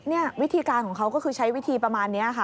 นี่วิธีการของเขาก็คือใช้วิธีประมาณนี้ค่ะ